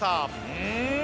うん！